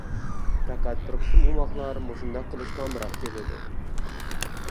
پەقەت بىر قىسىم ئوماقلار مۇشۇنداق قىلىشقا ئامراق كېلىدۇ.